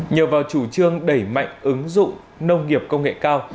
nhờ vào chủ trương đẩy mạnh ứng dụng nông nghiệp công nghệ cao